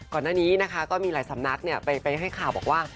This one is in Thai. ก่อนหน้านี้นะคะก็มีหลายสำนักไปให้ข่าวบอกว่า